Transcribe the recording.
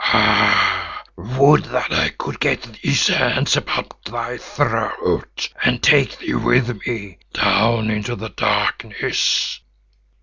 Ah! would that I could get these hands about thy throat and take thee with me down into the Darkness.